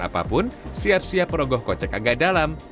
apapun siap siap rogoh kocek agak dalam